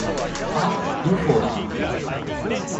あっ！ユーフォーだ！